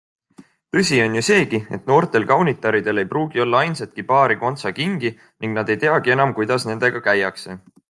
Tõsi on ju seegi, et noortel kaunitaridel ei pruugi olla ainsatki paari kontsakingi ning nad ei teagi enam, kuidas nendega käiakse.